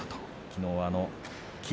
きのうは霧